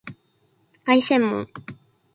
凱旋門